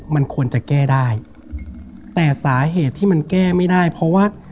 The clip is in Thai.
มันควรจะแก้ได้แต่สาเหตุที่มันแก้ไม่ได้เพราะว่า